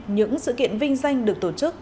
những sự kiện vinh danh được tổ chức